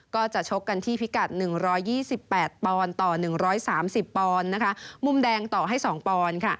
ก็จะชกกันที่พิกัด๑๒๘ปอนต่อ๑๓๐ปอนมุมแดงต่อให้๒ปอน